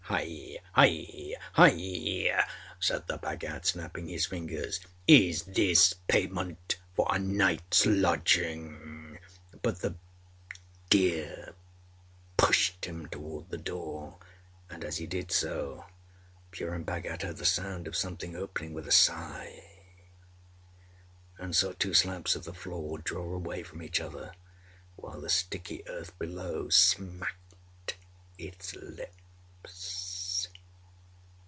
âHai! Hai! Hai!â said the Bhagat, snapping his fingers, âIs THIS payment for a nightâs lodging?â But the deer pushed him toward the door, and as he did so Purun Bhagat heard the sound of something opening with a sigh, and saw two slabs of the floor draw away from each other, while the sticky earth below smacked its lips.